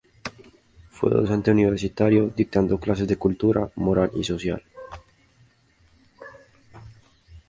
Fue docente universitario dictando clases de cultura moral y social.